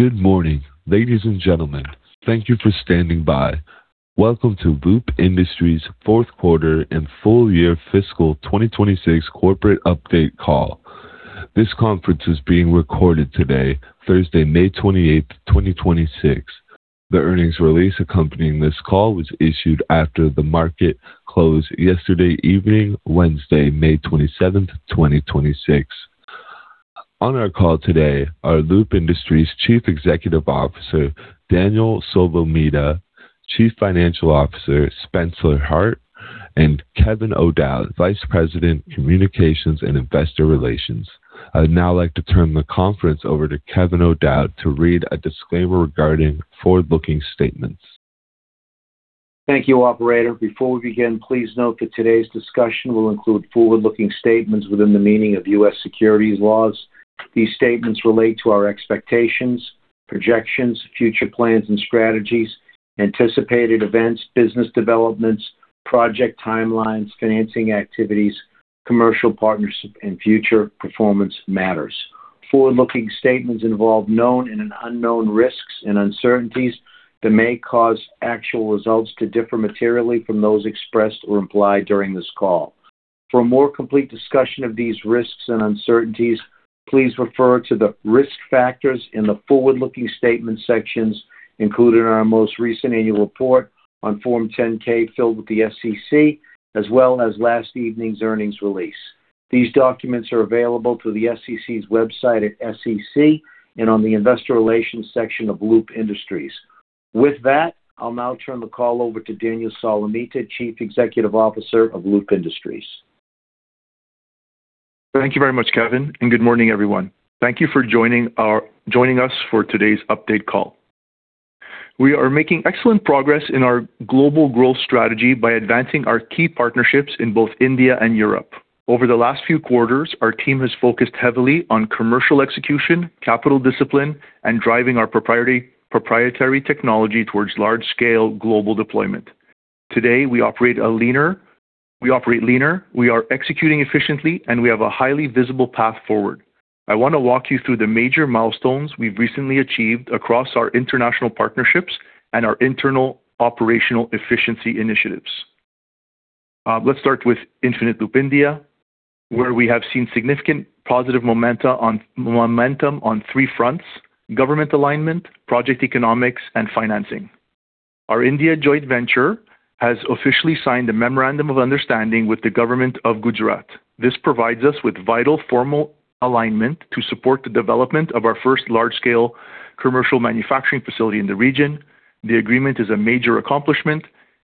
Good morning, ladies and gentlemen. Thank you for standing by. Welcome to Loop Industries' Fourth Quarter and Full-year Fiscal 2026 Corporate Update Call. This conference is being recorded today, Thursday, May 28th, 2026. The earnings release accompanying this call was issued after the market close yesterday evening, Wednesday, May 27th, 2026. On our call today are Loop Industries' Chief Executive Officer, Daniel Solomita, Chief Financial Officer, Spencer Hart, and Kevin O'Dowd, Vice President, Communications and Investor Relations. I would now like to turn the conference over to Kevin O'Dowd to read a disclaimer regarding forward-looking statements. Thank you, Operator. Before we begin, please note that today's discussion will include forward-looking statements within the meaning of U.S. securities laws. These statements relate to our expectations, projections, future plans and strategies, anticipated events, business developments, project timelines, financing activities, commercial partnerships, and future performance matters. Forward-looking statements involve known and unknown risks and uncertainties that may cause actual results to differ materially from those expressed or implied during this call. For a more complete discussion of these risks and uncertainties, please refer to the risk factors in the forward-looking statement sections included in our most recent annual report on Form 10-K filed with the SEC, as well as last evening's earnings release. These documents are available through the SEC's website at sec.gov and on the investor relations section of Loop Industries. With that, I'll now turn the call over to Daniel Solomita, Chief Executive Officer of Loop Industries. Thank you very much, Kevin. Good morning, everyone. Thank you for joining us for today's update call. We are making excellent progress in our global growth strategy by advancing our key partnerships in both India and Europe. Over the last few quarters, our team has focused heavily on commercial execution, capital discipline, and driving our proprietary technology towards large-scale global deployment. Today, we operate leaner, we are executing efficiently, and we have a highly visible path forward. I want to walk you through the major milestones we've recently achieved across our international partnerships and our internal operational efficiency initiatives. Let's start with Infinite Loop India, where we have seen significant positive momentum on three fronts, government alignment, project economics, and financing. Our India joint venture has officially signed a memorandum of understanding with the government of Gujarat. This provides us with vital formal alignment to support the development of our first large-scale commercial manufacturing facility in the region. The agreement is a major accomplishment.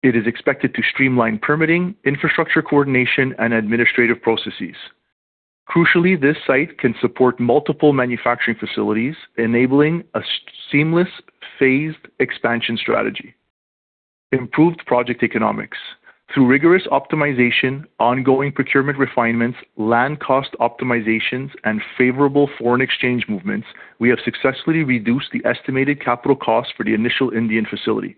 It is expected to streamline permitting, infrastructure coordination, and administrative processes. Crucially, this site can support multiple manufacturing facilities, enabling a seamless phased expansion strategy. Improved project economics. Through rigorous optimization, ongoing procurement refinements, land cost optimizations, and favorable foreign exchange movements, we have successfully reduced the estimated capital cost for the initial Indian facility.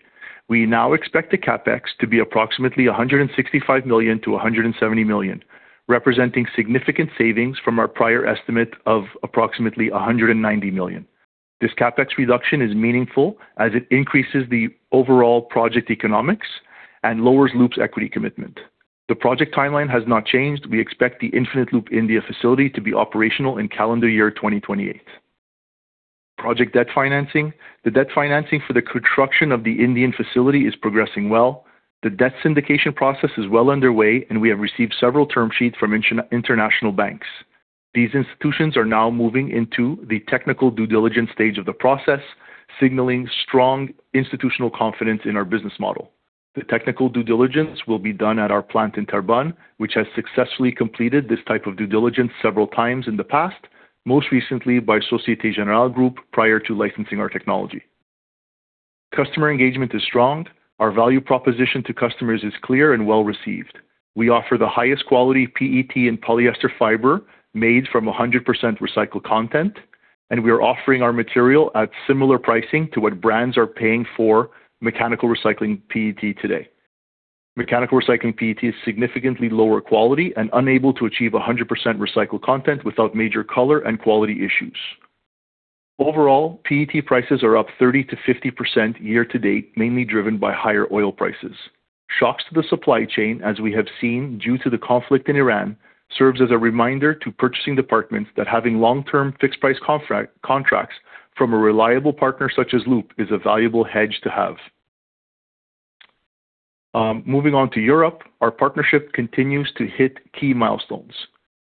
We now expect the CapEx to be approximately $165 million-$170 million, representing significant savings from our prior estimate of approximately $190 million. This CapEx reduction is meaningful as it increases the overall project economics and lowers Loop's equity commitment. The project timeline has not changed. We expect the Infinite Loop India facility to be operational in calendar year 2028. Project debt financing. The debt financing for the construction of the Indian facility is progressing well. The debt syndication process is well underway, and we have received several term sheets from international banks. These institutions are now moving into the technical due diligence stage of the process, signaling strong institutional confidence in our business model. The technical due diligence will be done at our plant in Terrebonne, which has successfully completed this type of due diligence several times in the past, most recently by Société Générale Group prior to licensing our technology. Customer engagement is strong. Our value proposition to customers is clear and well-received. We offer the highest quality PET and polyester fiber made from 100% recycled content, and we are offering our material at similar pricing to what brands are paying for mechanical recycling PET today. Mechanical recycling PET is significantly lower quality and unable to achieve 100% recycled content without major color and quality issues. Overall, PET prices are up 30%-50% year-to-date, mainly driven by higher oil prices. Shocks to the supply chain, as we have seen due to the conflict in Iran, serves as a reminder to purchasing departments that having long-term fixed price contracts from a reliable partner such as Loop is a valuable hedge to have. Moving on to Europe, our partnership continues to hit key milestones.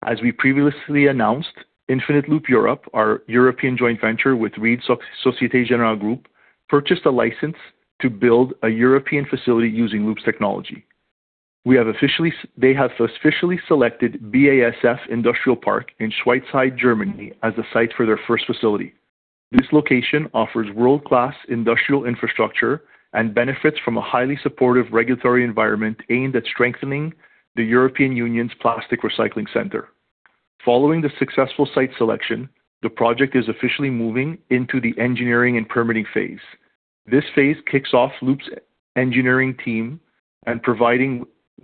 As we previously announced, Infinite Loop Europe, our European joint venture with Société Générale Group, purchased a license to build a European facility using Loop's technology. They have officially selected BASF Industrial Park in Schwarzheide, Germany as the site for their first facility. This location offers world-class industrial infrastructure and benefits from a highly supportive regulatory environment aimed at strengthening the European Union's plastic recycling center. Following the successful site selection, the project is officially moving into the engineering and permitting phase.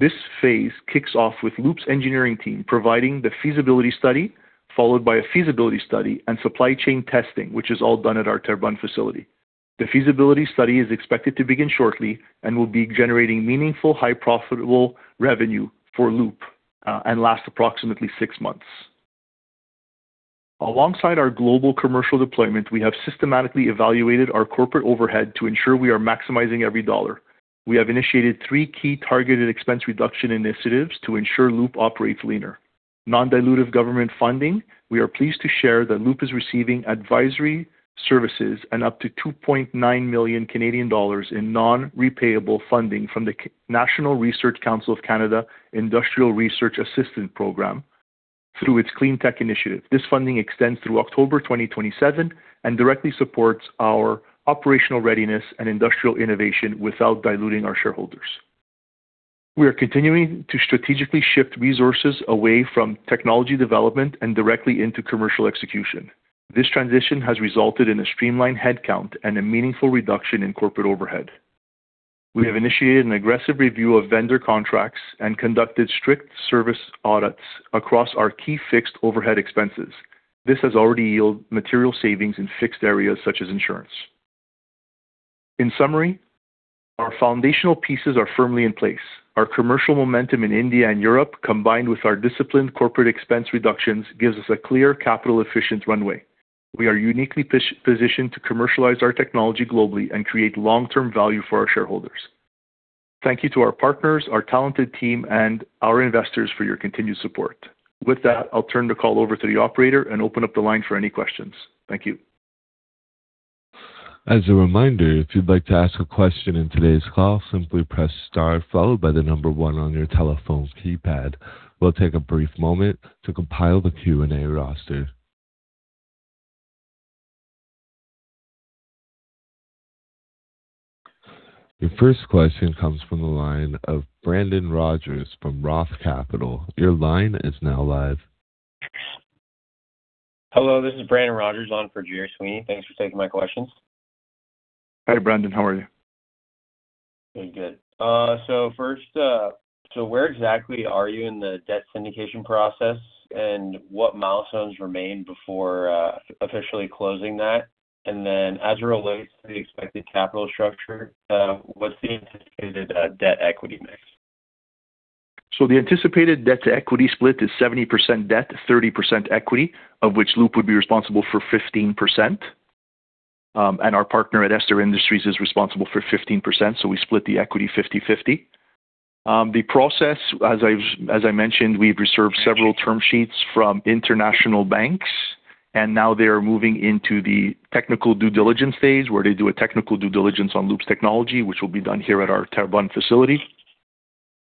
This phase kicks off with Loop's engineering team, providing the feasibility study, followed by a feasibility study and supply chain testing, which is all done at our Terrebonne facility. The feasibility study is expected to begin shortly and will be generating meaningful, high profitable revenue for Loop, and last approximately six months. Alongside our global commercial deployment, we have systematically evaluated our corporate overhead to ensure we are maximizing every dollar. We have initiated three key targeted expense reduction initiatives to ensure Loop operates leaner. Non-dilutive government funding, we are pleased to share that Loop is receiving advisory services and up to 2.9 million Canadian dollars in non-repayable funding from the National Research Council of Canada Industrial Research Assistance Program through its clean tech initiative. This funding extends through October 2027 and directly supports our operational readiness and industrial innovation without diluting our shareholders. We are continuing to strategically shift resources away from technology development and directly into commercial execution. This transition has resulted in a streamlined headcount and a meaningful reduction in corporate overhead. We have initiated an aggressive review of vendor contracts and conducted strict service audits across our key fixed overhead expenses. This has already yielded material savings in fixed areas such as insurance. In summary, our foundational pieces are firmly in place. Our commercial momentum in India and Europe, combined with our disciplined corporate expense reductions, gives us a clear capital efficient runway. We are uniquely positioned to commercialize our technology globally and create long-term value for our shareholders. Thank you to our partners, our talented team, and our investors for your continued support. With that, I'll turn the call over to the operator and open up the line for any questions. Thank you. As a reminder, if you'd like to ask a question in today's call, simply press star followed by the number one on your telephone keypad. We'll take a brief moment to compile the Q&A roster. Your first question comes from the line of Brandon Rogers from ROTH Capital. Your line is now live. Hello, this is Brandon Rogers on for Gerard Sweeney. Thanks for taking my questions. Hi, Brandon. How are you? I'm good. First, where exactly are you in the debt syndication process, and what milestones remain before officially closing that? As it relates to the expected capital structure, what's the anticipated debt equity mix? The anticipated debt to equity split is 70% debt, 30% equity, of which Loop would be responsible for 15%. Our partner at Ester Industries is responsible for 15%, so we split the equity 50/50. The process, as I mentioned, we've reserved several term sheets from international banks, and now they are moving into the technical due diligence phase, where they do a technical due diligence on Loop's technology, which will be done here at our Terrebonne facility.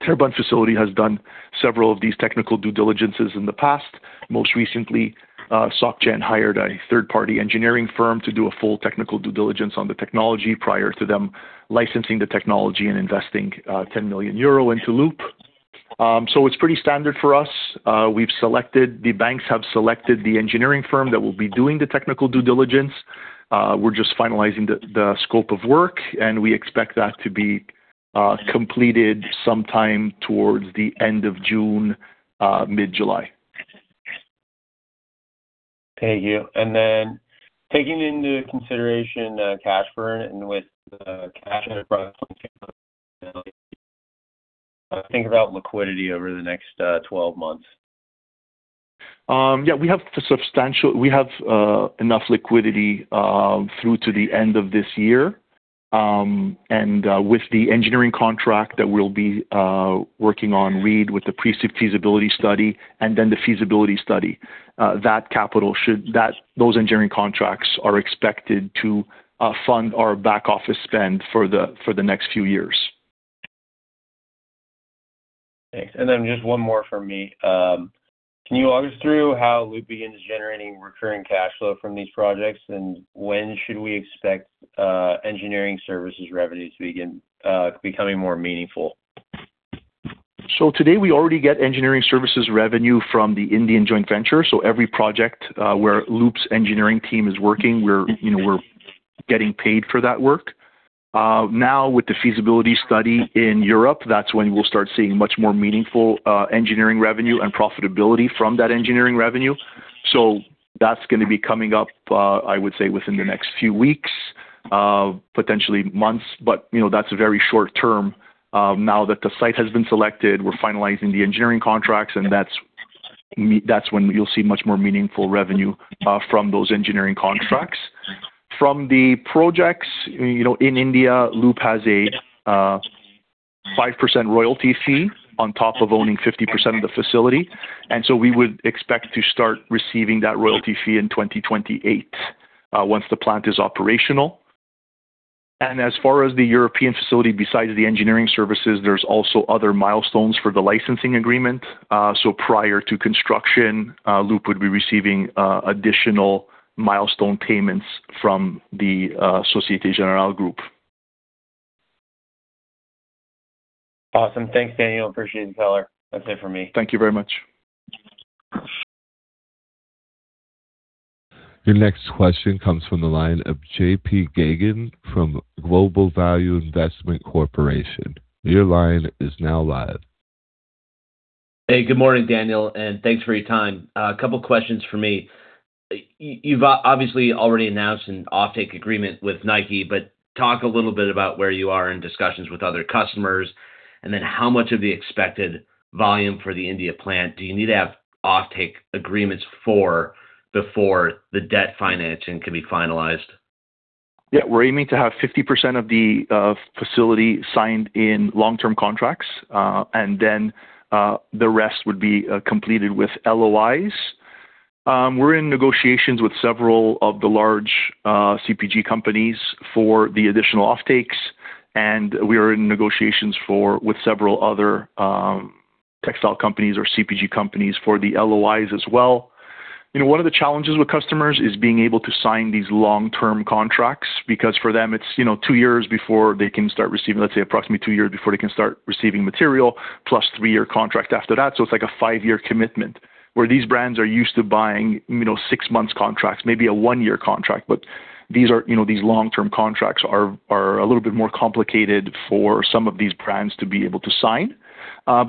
Terrebonne facility has done several of these technical due diligences in the past. Most recently, SocGen hired a third-party engineering firm to do a full technical due diligence on the technology prior to them licensing the technology and investing 10 million euro into Loop. It's pretty standard for us. The banks have selected the engineering firm that will be doing the technical due diligence. We're just finalizing the scope of work, and we expect that to be completed sometime towards the end of June, mid-July. Thank you. Taking into consideration the cash burn and with the cash think about liquidity over the next 12 months. Yeah, we have enough liquidity through to the end of this year. With the engineering contract that we'll be working on, Reid, with the pre-feasibility study and then the feasibility study, those engineering contracts are expected to fund our back-office spend for the next few years. Thanks. Just one more from me. Can you walk us through how Loop begins generating recurring cash flow from these projects, and when should we expect engineering services revenues to begin becoming more meaningful? Today, we already get engineering services revenue from the Indian joint venture. Every project where Loop's engineering team is working, we're getting paid for that work. Now with the feasibility study in Europe, that's when we'll start seeing much more meaningful engineering revenue and profitability from that engineering revenue. That's going to be coming up, I would say, within the next few weeks, potentially months. That's very short term. Now that the site has been selected, we're finalizing the engineering contracts, and that's when you'll see much more meaningful revenue from those engineering contracts. From the projects in India, Loop has a 5% royalty fee on top of owning 50% of the facility, we would expect to start receiving that royalty fee in 2028, once the plant is operational. As far as the European facility, besides the engineering services, there is also other milestones for the licensing agreement. Prior to construction, Loop would be receiving additional milestone payments from the Société Générale Group. Awesome. Thanks, Daniel. Appreciate the color. That's it for me. Thank you very much. Your next question comes from the line of JP Geygan from Global Value Investment Corporation. Your line is now live. Hey, good morning, Daniel, and thanks for your time. A couple questions from me. You've obviously already announced an offtake agreement with Nike, but talk a little bit about where you are in discussions with other customers, and then how much of the expected volume for the India plant do you need to have offtake agreements for before the debt financing can be finalized? Yeah. We're aiming to have 50% of the facility signed in long-term contracts, and then the rest would be completed with LOIs. We're in negotiations with several of the large CPG companies for the additional offtakes, and we are in negotiations with several other textile companies or CPG companies for the LOIs as well. One of the challenges with customers is being able to sign these long-term contracts, because for them, it's two years before they can start receiving, let's say approximately two years before they can start receiving material, plus three-year contract after that. It's like a five-year commitment, where these brands are used to buying six months contracts, maybe a one-year contract. These long-term contracts are a little bit more complicated for some of these brands to be able to sign.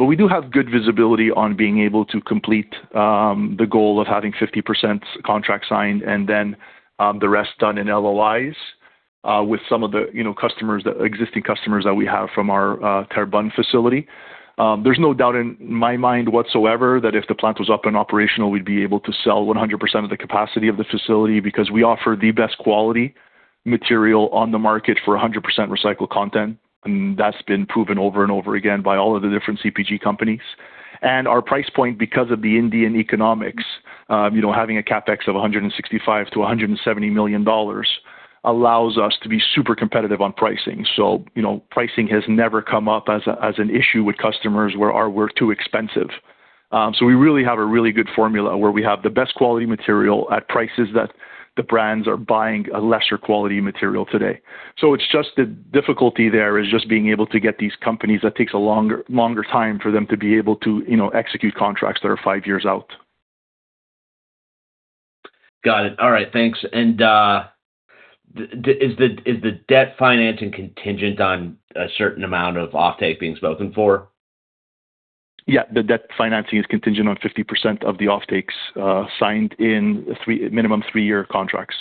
We do have good visibility on being able to complete the goal of having 50% contract signed and then the rest done in LOIs with some of the existing customers that we have from our Terrebonne facility. There's no doubt in my mind whatsoever that if the plant was up and operational, we'd be able to sell 100% of the capacity of the facility because we offer the best quality material on the market for 100% recycled content, and that's been proven over and over again by all of the different CPG companies. Our price point, because of the Indian economics, having a CapEx of $165 million-$170 million, allows us to be super competitive on pricing. Pricing has never come up as an issue with customers where we're too expensive. We really have a really good formula where we have the best quality material at prices that the brands are buying a lesser quality material today. The difficulty there is just being able to get these companies, that takes a longer time for them to be able to execute contracts that are five years out. Got it. All right, thanks. Is the debt financing contingent on a certain amount of offtake being spoken for? Yeah, the debt financing is contingent on 50% of the offtakes signed in minimum three-year contracts.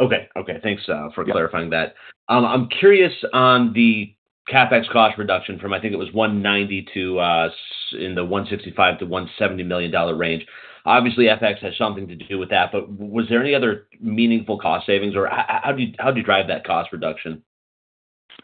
Okay. Thanks for clarifying that. I'm curious on the CapEx cost reduction from, I think it was $190 million to in the $165 million-$170 million range. Obviously, FX has something to do with that, but was there any other meaningful cost savings, or how do you drive that cost reduction?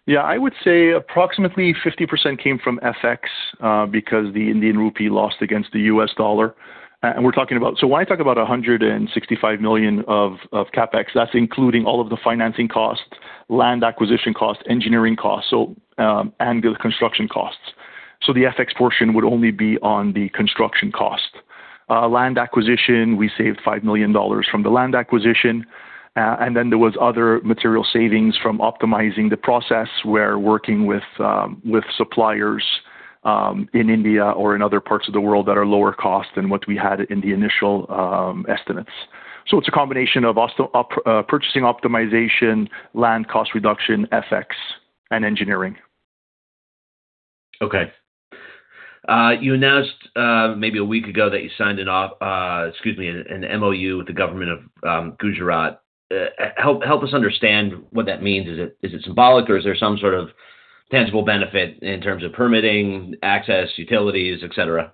Yeah, I would say approximately 50% came from FX because the Indian rupee lost against the US dollar. When I talk about $165 million of CapEx, that's including all of the financing costs, land acquisition costs, engineering costs, and the construction costs. The FX portion would only be on the construction cost. Land acquisition, we saved $5 million from the land acquisition. Then there was other material savings from optimizing the process. We're working with suppliers in India or in other parts of the world that are lower cost than what we had in the initial estimates. It's a combination of purchasing optimization, land cost reduction, FX, and engineering. Okay. You announced maybe a week ago that you signed an MOU with the government of Gujarat. Help us understand what that means. Is it symbolic, or is there some sort of tangible benefit in terms of permitting, access, utilities, et cetera?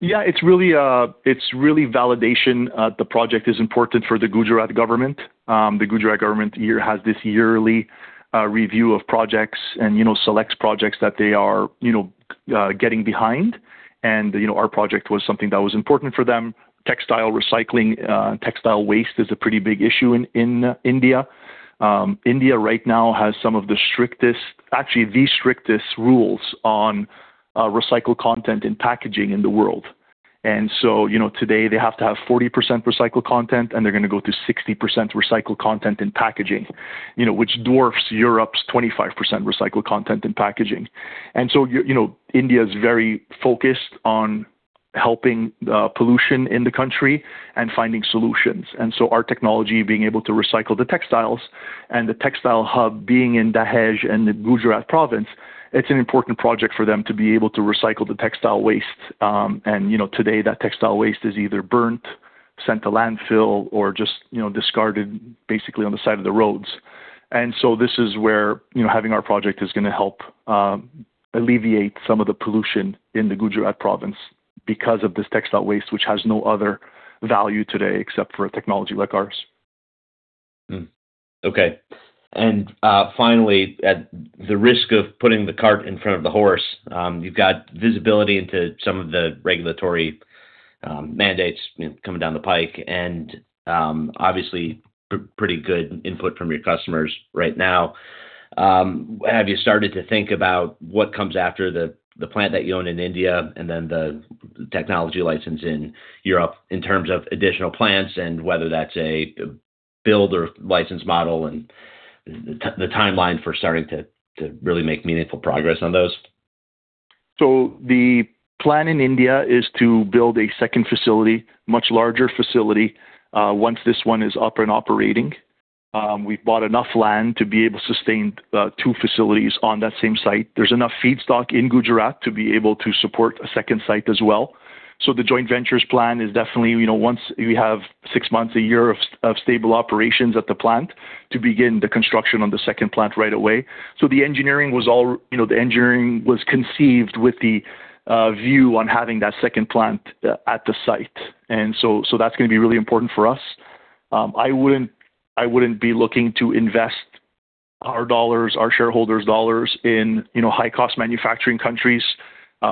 Yeah, it's really validation. The project is important for the Gujarat government. The Gujarat government has this yearly review of projects and selects projects that they are getting behind. Our project was something that was important for them. Textile recycling, textile waste is a pretty big issue in India. India right now has some of the strictest, actually, the strictest rules on recycled content in packaging in the world. Today they have to have 40% recycled content, and they're going to go to 60% recycled content in packaging, which dwarfs Europe's 25% recycled content in packaging. India is very focused on helping pollution in the country and finding solutions. Our technology being able to recycle the textiles and the textile hub being in Dahej and the Gujarat province, it's an important project for them to be able to recycle the textile waste. Today that textile waste is either burnt, sent to landfill, or just discarded basically on the side of the roads. This is where having our project is going to help alleviate some of the pollution in the Gujarat province because of this textile waste, which has no other value today except for a technology like ours. Okay. Finally, at the risk of putting the cart in front of the horse, you've got visibility into some of the regulatory mandates coming down the pike, and obviously pretty good input from your customers right now. Have you started to think about what comes after the plant that you own in India and then the technology license in Europe in terms of additional plants and whether that's a build or license model and the timeline for starting to really make meaningful progress on those? The plan in India is to build a second facility, much larger facility, once this one is up and operating. We've bought enough land to be able to sustain two facilities on that same site. There's enough feedstock in Gujarat to be able to support a second site as well. The joint venture's plan is definitely, once we have six months, a year of stable operations at the plant, to begin the construction on the second plant right away. The engineering was conceived with the view on having that second plant at the site. That's going to be really important for us. I wouldn't be looking to invest our dollars, our shareholders' dollars in high-cost manufacturing countries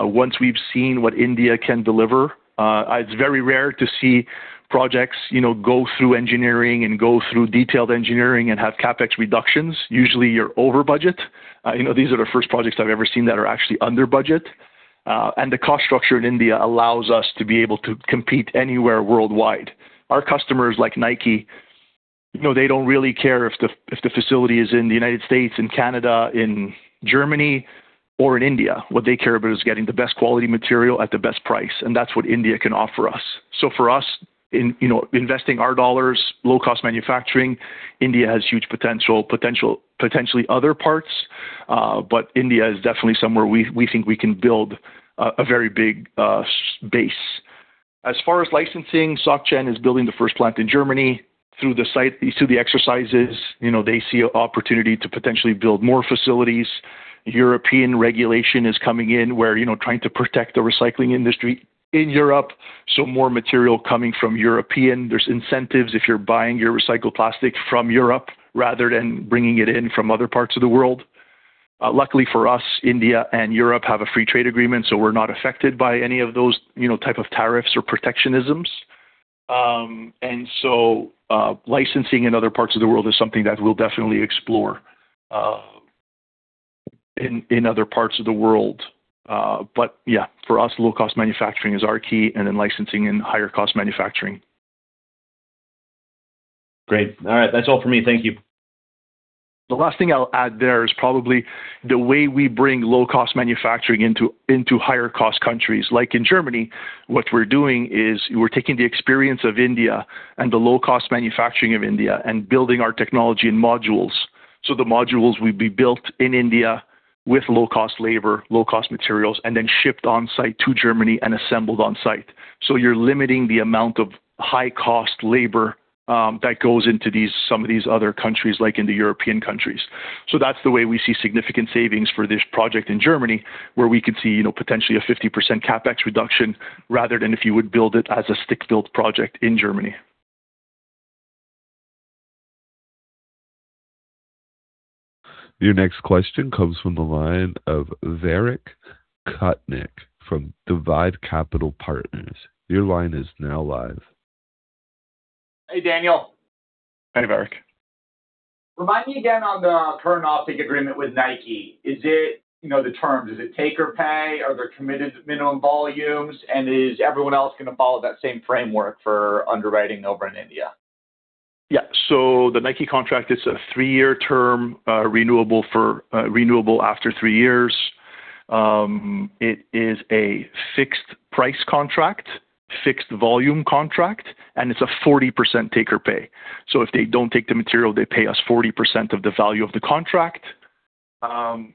once we've seen what India can deliver. It's very rare to see projects go through engineering and go through detailed engineering and have CapEx reductions. Usually, you're over budget. These are the first projects I've ever seen that are actually under budget. The cost structure in India allows us to be able to compete anywhere worldwide. Our customers, like Nike, they don't really care if the facility is in the U.S., in Canada, in Germany, or in India. What they care about is getting the best quality material at the best price, and that's what India can offer us. For us, investing our dollars, low cost manufacturing, India has huge potential. Potentially other parts, India is definitely somewhere we think we can build a very big base. As far as licensing, SocGen is building the first plant in Germany. Through the site, through the exercises, they see an opportunity to potentially build more facilities. European regulation is coming in where, trying to protect the recycling industry in Europe. More material coming from Europe. There's incentives if you're buying your recycled plastic from Europe rather than bringing it in from other parts of the world. Luckily for us, India and Europe have a free trade agreement. We're not affected by any of those type of tariffs or protectionisms. Licensing in other parts of the world is something that we'll definitely explore in other parts of the world. Yeah, for us, low cost manufacturing is our key. Licensing and higher cost manufacturing. Great. All right. That's all for me. Thank you. The last thing I'll add there is probably the way we bring low-cost manufacturing into higher cost countries. Like in Germany, what we're doing is we're taking the experience of India and the low-cost manufacturing of India and building our technology in modules. The modules will be built in India with low-cost labor, low-cost materials, and then shipped on-site to Germany and assembled on-site. You're limiting the amount of high-cost labor that goes into some of these other countries, like in the European countries. That's the way we see significant savings for this project in Germany, where we could see potentially a 50% CapEx reduction rather than if you would build it as a stick-built project in Germany. Your next question comes from the line of Varyk Kutnick from DIVYDE Capital Partners. Your line is now live. Hey, Daniel. Hi, Varyk. Remind me again on the current offtake agreement with Nike. The terms, is it take or pay? Are there committed minimum volumes? Is everyone else going to follow that same framework for underwriting over in India? The Nike contract is a three-year term, renewable after three years. It is a fixed price contract, fixed volume contract, and it's a 40% take or pay. If they don't take the material, they pay us 40% of the value of the contract.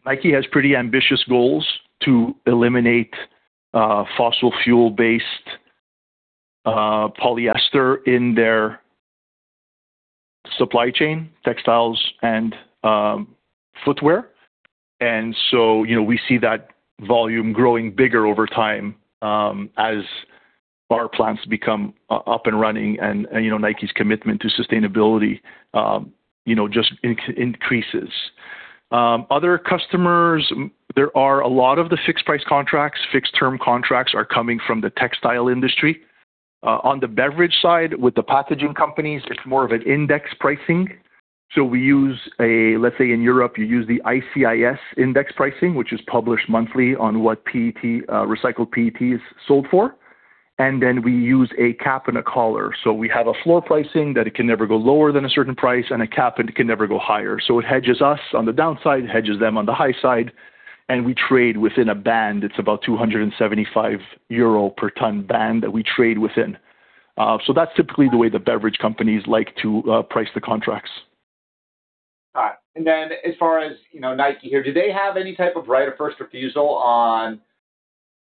Nike has pretty ambitious goals to eliminate fossil fuel-based polyester in their supply chain, textiles, and footwear. We see that volume growing bigger over time as our plants become up and running and Nike's commitment to sustainability just increases. Other customers, there are a lot of the fixed price contracts, fixed term contracts are coming from the textile industry. On the beverage side, with the packaging companies, it's more of an index pricing. We use a, let's say in Europe, you use the ICIS index pricing, which is published monthly on what recycled PET is sold for. We use a cap and a collar. We have a floor pricing that it can never go lower than a certain price, and a cap, and it can never go higher. It hedges us on the downside, hedges them on the high side, and we trade within a band. It's about 275 euro per ton band that we trade within. That's typically the way the beverage companies like to price the contracts. All right. As far as Nike here, do they have any type of right of first refusal on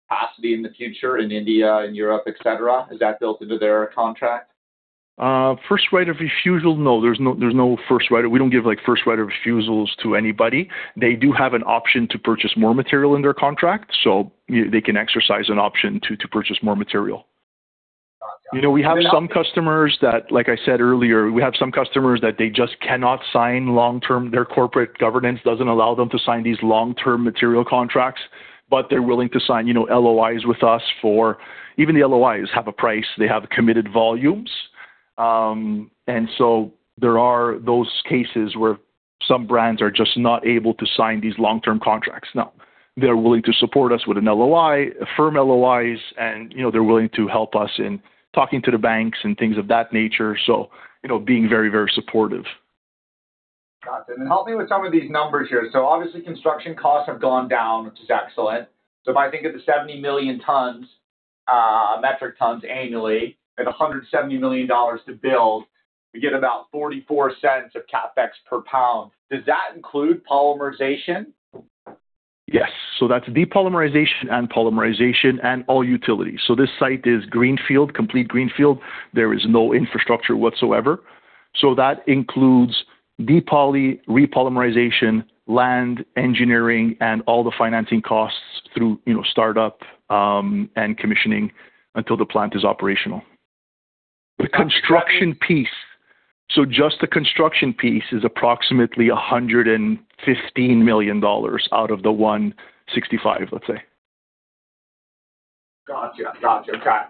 capacity in the future in India and Europe, et cetera? Is that built into their contract? First right of refusal, no. We don't give first right of refusals to anybody. They do have an option to purchase more material in their contract, so they can exercise an option to purchase more material. We have some customers that, like I said earlier, they just cannot sign long-term. Their corporate governance doesn't allow them to sign these long-term material contracts, but they're willing to sign LOIs with us. Even the LOIs have a price. They have committed volumes. There are those cases where some brands are just not able to sign these long-term contracts. Now, they're willing to support us with an LOI, firm LOIs, and they're willing to help us in talking to the banks and things of that nature. Being very supportive. Help me with some of these numbers here. Obviously construction costs have gone down, which is excellent. If I think of the 70 million tons, metric tons annually at $170 million to build, we get about $0.44 of CapEx per pound. Does that include polymerization? Yes. So that's depolymerization and polymerization and all utilities. This site is greenfield, complete greenfield. There is no infrastructure whatsoever. That includes depoly, repolymerization, land, engineering, and all the financing costs through startup and commissioning until the plant is operational. The construction piece, just the construction piece is approximately $115 million out of the $165 million, let's say. Got you. Okay.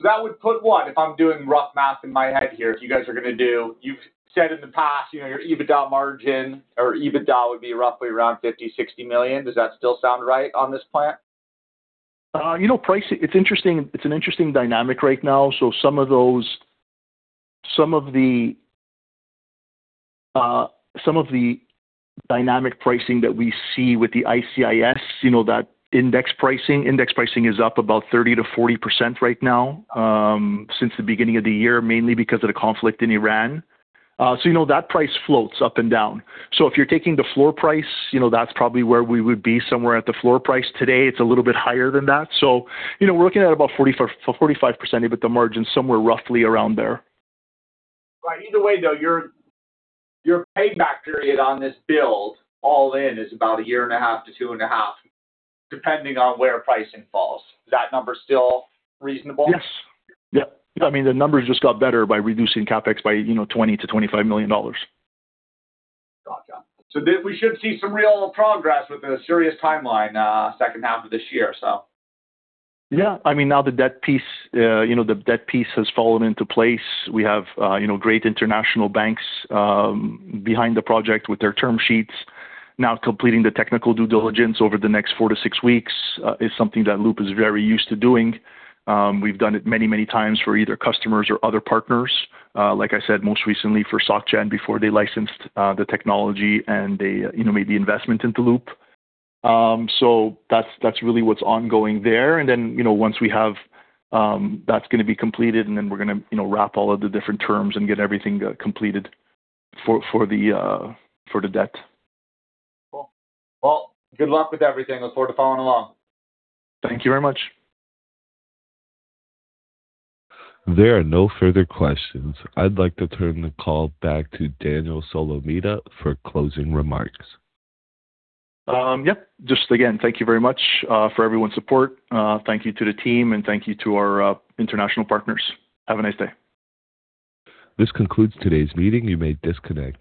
That would put what, if I'm doing rough math in my head here, if you guys are going to do, you've said in the past, your EBITDA margin or EBITDA would be roughly around $50 million, $60 million. Does that still sound right on this plant? It's an interesting dynamic right now. Some of the dynamic pricing that we see with the ICIS, that index pricing. Index pricing is up about 30%-40% right now, since the beginning of the year, mainly because of the conflict in Iran. That price floats up and down. If you're taking the floor price, that's probably where we would be somewhere at the floor price today. It's a little bit higher than that. We're looking at about 45% EBITDA margin, somewhere roughly around there. Right. Either way, though, your payback period on this build all in is about 1.5 year-2.5 year, depending on where pricing falls. Is that number still reasonable? Yes. I mean, the numbers just got better by reducing CapEx by $20 million-$25 million. Gotcha. We should see some real progress with a serious timeline, second half of this year. Yeah. I mean, now the debt piece has fallen into place. We have great international banks behind the project with their term sheets. Now completing the technical due diligence over the next four-six weeks, is something that Loop is very used to doing. We've done it many times for either customers or other partners. Like I said, most recently for SocGen before they licensed the technology and they made the investment into Loop. That's really what's ongoing there. That's going to be completed, and then we're going to wrap all of the different terms and get everything completed for the debt. Cool. Well, good luck with everything. Look forward to following along. Thank you very much. There are no further questions. I'd like to turn the call back to Daniel Solomita for closing remarks. Yep. Just again, thank you very much for everyone's support. Thank you to the team, and thank you to our international partners. Have a nice day. This concludes today's meeting. You may disconnect.